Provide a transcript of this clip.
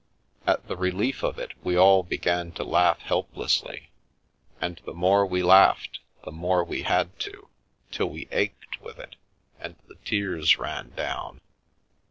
At the relief of it we all began to laugh helplessly, and the more we laughed the more we had to, till we ached with it, and the tears ran down.